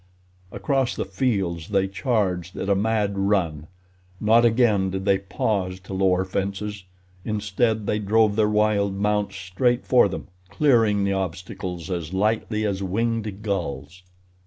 Across the fields they charged at a mad run. Not again did they pause to lower fences, instead, they drove their wild mounts straight for them, clearing the obstacles as lightly as winged gulls.